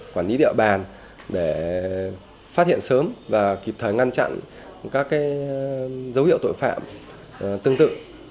quản lý địa bàn để phát hiện sớm và kịp thời ngăn chặn các dấu hiệu tội phạm tương tự